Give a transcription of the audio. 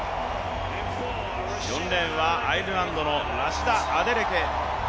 ４レーンはアイルランドのラシダ・アデレケ。